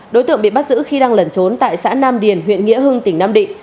đối tượng bị bắt giữ khi đang lẩn trốn tại xã nam điền huyện nghĩa hưng tỉnh nam định